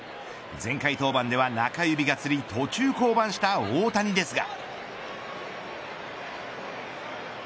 前回登板では中指がつり途中降板した大谷ですが。